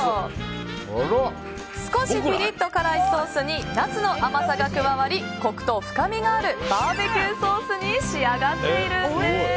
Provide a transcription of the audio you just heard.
少しピリッと辛いソースにナスの甘さが加わりコクと深みのあるバーベキューソースに仕上がっているんです。